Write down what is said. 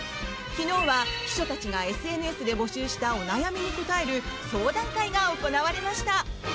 昨日は、秘書たちがＳＮＳで募集したお悩みに答える相談会が行われました。